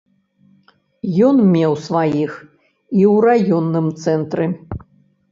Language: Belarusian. Ён меў сваіх і ў раённым цэнтры.